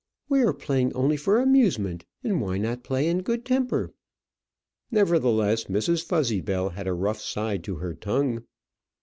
We are playing only for amusement; and why not play in good temper?" nevertheless Mrs. Fuzzybell had a rough side to her own tongue.